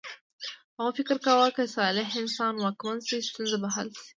هغوی فکر کاوه که صالح انسان واکمن شي ستونزه به حل شي.